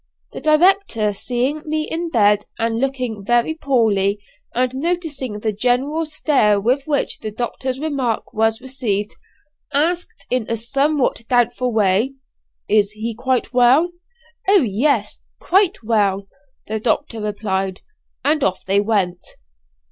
The director, seeing me in bed and looking very poorly, and noticing the general stare with which the doctor's remark was received, asked in a somewhat doubtful way, "Is he quite well?" "Oh! yes quite well," the doctor replied; and off they went.